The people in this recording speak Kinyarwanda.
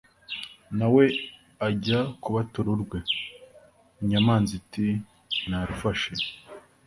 na we ajya kubatura urwe, inyamanza iti 'narufashe